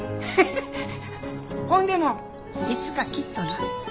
ほんでもいつかきっとな。